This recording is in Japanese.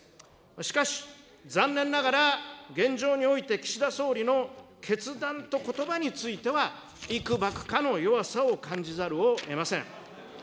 しかし、残念ながら現状において岸田総理の決断とことばについてはいくばくかの弱さを感じざるをえません。